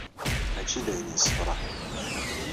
Mačči d ayen yessefraḥen.